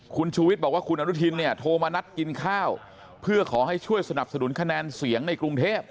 คุณชูวิทย์บอกว่าคุณอนุทินเนี่ยโทรมานัดกินข้าวเพื่อขอให้ช่วยสนับสนุนคะแนนเสียงในกรุงเทพ